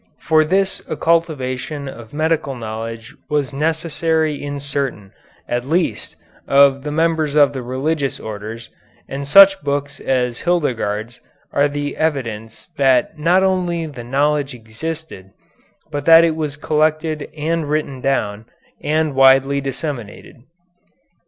For this a cultivation of medical knowledge was necessary in certain, at least, of the members of the religious orders, and such books as Hildegarde's are the evidence that not only the knowledge existed, but that it was collected and written down, and widely disseminated.